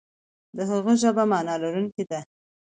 د هغه ژبه معنا لرونکې ده.